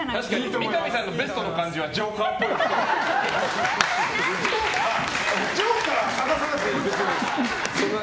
三上さんのベストの感じはジョーカーっぽいな。